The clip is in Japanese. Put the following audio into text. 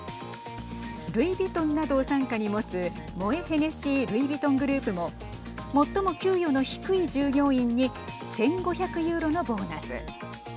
ルイ・ヴィトンなどを傘下に持つモエ・ヘネシー・ルイ・ヴィトングループも最も給与の低い従業員に１５００ユーロのボーナス。